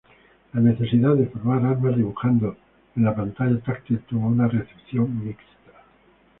La necesidad de formar armas dibujando en la pantalla táctil tuvo una recepción mixta.